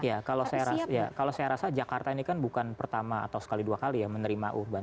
ya kalau saya rasa jakarta ini kan bukan pertama atau sekali dua kali ya menerima urban